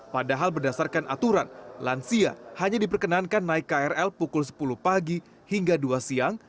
padahal berdasarkan aturan lansia hanya diperkenankan naik krl pukul sepuluh pagi hingga dua siang